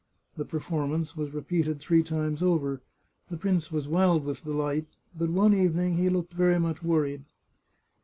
The performance was repeated three times over. The prince was wild with delight, but one evening he looked very much worried.